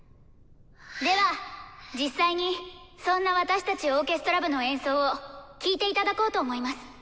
では実際にそんな私たちオーケストラ部の演奏を聴いていただこうと思います。